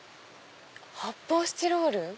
発泡スチロール？